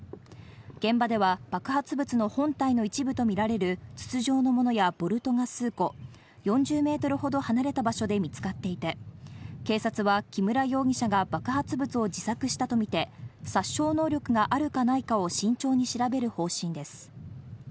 現場では爆発物の本体の一部とみられる筒状のものやボルトが数個、４０メートルほど離れた場所で見つかっていて、警察は木村容疑者が爆発物を自作したとみて殺傷能力があるかないかを慎重に調べる方針です。